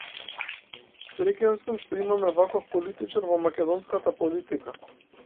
Среќен сум што имаме ваков политичар во македонската политика.